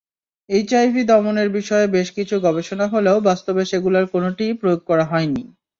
HIV দমনের বিষয়ে বেশ কিছু গবেষণা হলেও বাস্তবে সেগুলোর কোনোটিই প্রয়োগ করা হয়নি।